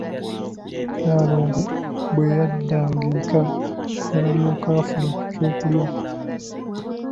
Naalongo bwe yaddanga eka, n'alyokka affuna ku kyokulya.